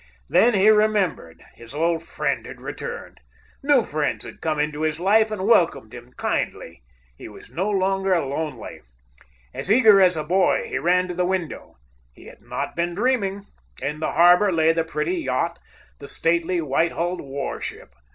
Then he remembered. His old friend had returned. New friends had come into his life and welcomed him kindly. He was no longer lonely. As eager as a boy, he ran to the window. He had not been dreaming. In the harbor lay the pretty yacht, the stately, white hulled war ship.